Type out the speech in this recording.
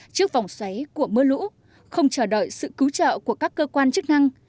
trước vòng xoáy của mưa lũ không chờ đợi sự cứu trợ của các cơ quan chức năng